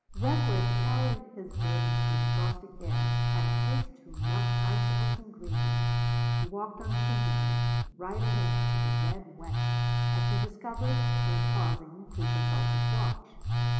Redworth carried his burden through the frosty air at a pace to melt icicles in Greenland. He walked unthinkingly, right ahead, to the red West, as he discovered when pausing to consult his watch.